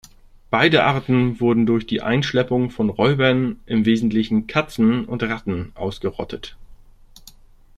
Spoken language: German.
Beide Arten wurden durch die Einschleppung von Räubern, im Wesentlichen Katzen und Ratten, ausgerottet.